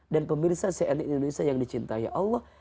dan pemirsa cna indonesia yang dicintai allah